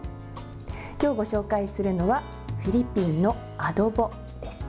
今日ご紹介するのはフィリピンのアドボです。